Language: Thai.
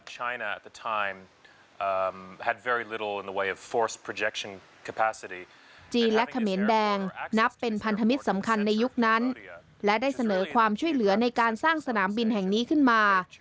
จีนและเขมรแดงนับเป็นพันธมิตรสำคัญในยุคนั้นและได้เสนอความช่วยเหลือในการสร้างสนามบินแห่งนี้ขึ้นมา